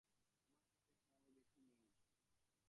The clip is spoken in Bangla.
আমার হাতে সময় বেশি নেই।